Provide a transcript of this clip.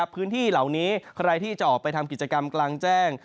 พื้นที่เหล่านี้ใครที่จะออกไปทำกิจกรรมกลางแจ้ง